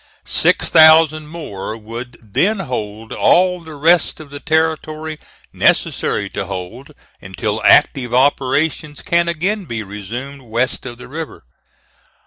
Six thousand more would then hold all the rest of the territory necessary to hold until active operations can again be resumed west of the river.